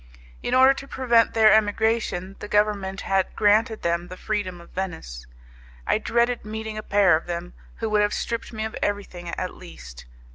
In order to prevent their emigration, the Government had granted them the freedom of Venice. I dreaded meeting a pair of them, who would have stripped me of everything, at least.